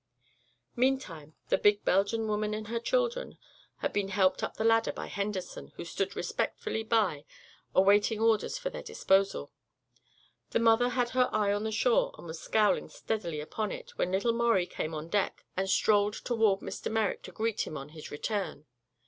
Meantime the big Belgian woman and her children had been helped up the ladder by Henderson, who stood respectfully by, awaiting orders for their disposal. The mother had her eye on the shore and was scowling steadily upon it when little Maurie came on deck and strolled toward Mr. Merrick to greet him on his return.